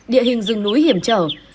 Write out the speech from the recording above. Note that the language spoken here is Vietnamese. địa hình rừng núi hiểm trở